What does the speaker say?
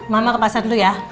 mama ke pasar itu ya